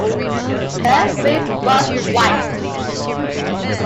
Her face was white.